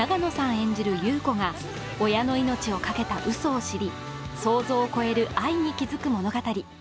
演じる優子が親の命をかけたうそを知り、想像を超える愛に気づく物語。